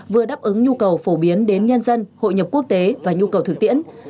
vừa đáp ứng nhu cầu phổ biến đến nhân dân hội nhập quốc tế và nhu cầu thực tiễn